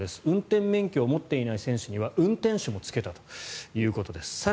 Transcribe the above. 運転免許を持っていない選手には運転手もつけたということです。